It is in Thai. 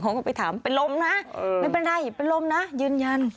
เขาก็ไปถามเป็นลมนะไม่เป็นไรเป็นลมนะยืนยัน